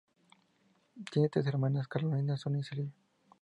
Tiene tres hermanas: Carolina, Sonia y Silvia.